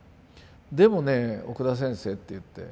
「でもね奥田先生」っていって。